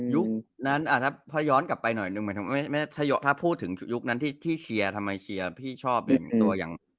ยุคนั้นถ้าย้อนกลับไปหน่อยถ้าพูดถึงยุคนั้นที่เชียร์ชอบตัวอย่าง